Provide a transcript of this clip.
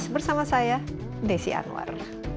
bersama saya desi anwar